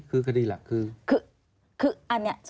คือคืออันนี้